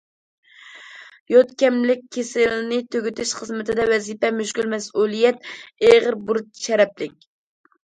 يود كەملىك كېسىلىنى تۈگىتىش خىزمىتىدە ۋەزىپە مۈشكۈل، مەسئۇلىيەت ئېغىر، بۇرچ شەرەپلىك.